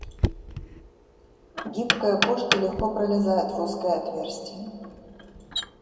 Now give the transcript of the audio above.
Гибкая кошка легко пролезает в узкое отверстие.